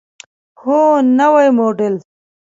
هو، نوی موډل